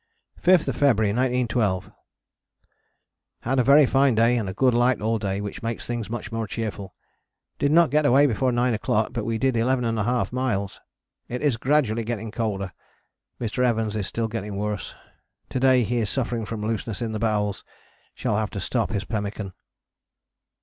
5th February 1912. Had a very fine day and a good light all day, which makes things much more cheerful. Did not get away before 9 o'clock but we did 11½ miles, it is gradually getting colder. Mr. Evans is still getting worse, to day he is suffering from looseness in the bowels: shall have to stop his pemmican.